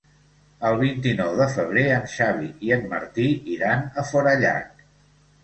El vint-i-nou de febrer en Xavi i en Martí iran a Forallac.